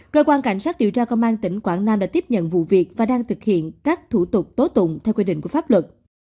cơ quan cảnh sát điều tra công an tỉnh quảng nam đã tiếp nhận vụ việc và đang thực hiện các thủ tục tố tụng theo quy định của pháp luật